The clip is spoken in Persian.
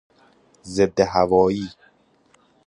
ضد هوایی